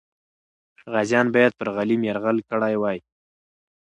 غازیان باید پر غلیم یرغل کړی وای.